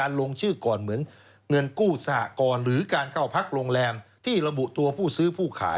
อันนี้พูดตามที่ท่านพูด